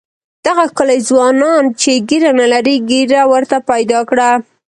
دغه ښکلي ځوانان چې ږیره نه لري ږیره ورته پیدا کړه.